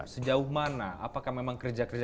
sejauh mana apakah memang kerja kerja